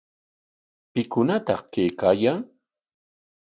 ¿Pikunataq kaykaayan?